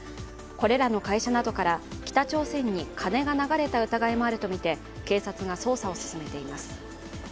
これらの会社などから北朝鮮に金が流れた疑いもあるとみて警察が捜査を進めています。